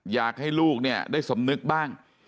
อยากให้ลูกเนี่ยได้สำนึกบ้าง